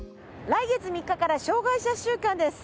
来月３日から障害者週間です。